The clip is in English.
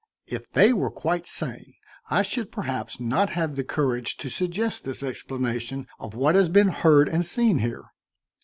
"If they were quite sane I should perhaps not have the courage to suggest this explanation of what has been heard and seen here.